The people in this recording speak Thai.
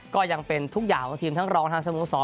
ก็ยังเป็นของทีมทั้งรองทางสมุขสร